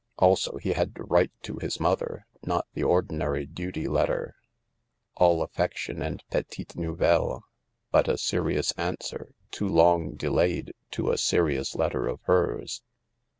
Also he had to write to his mother — not the Ordinary duty letter, all affection and petites nouvettes, but a serious answer, too long delayed, to a serious letter of hers.